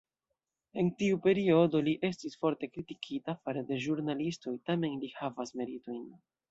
En tiu periodo li estis forte kritikita fare de ĵurnalistoj, tamen li havas meritojn.